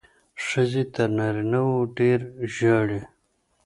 ښځې تر نارینه وو ډېرې ژاړي.